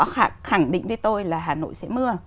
họ khẳng định với tôi là hà nội sẽ mưa